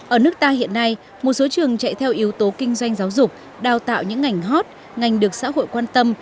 ở nước ta hiện nay một số trường chạy theo yếu tố kinh doanh giáo dục đào tạo những ngành hot ngành được xã hội quan tâm